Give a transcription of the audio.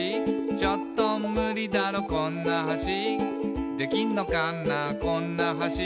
「ちょっとムリだろこんな橋」「できんのかなこんな橋」